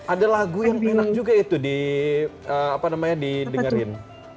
ada lagu yang enak juga itu di apa namanya di dengerin